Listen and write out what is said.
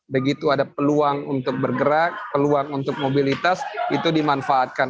begitu ada peluang untuk bergerak peluang untuk mobilitas itu dimanfaatkan